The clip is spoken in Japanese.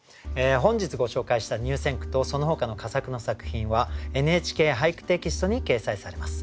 本日ご紹介した入選句とそのほかの佳作の作品は「ＮＨＫ俳句」テキストに掲載されます。